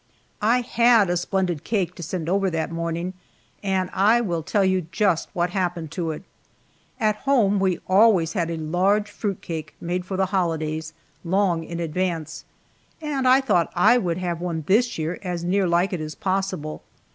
I had a splendid cake to send over that morning, and I will tell you just what happened to it. At home we always had a large fruit cake made for the holidays, long in advance, and I thought I would have one this year as near like it as possible.